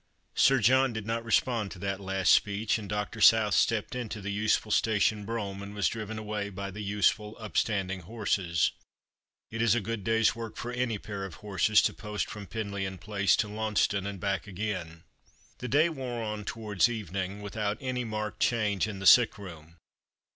Sir John did not respond to that last speech, and Pr. South stepped into the nsefnl station brongham and was driven away by the nsefnl npstanding horses. It is a good day's work for any pair of horses to post from Penlyon Place to Lannceston and back again. The day wore on towards evening without any marked change in the sick room.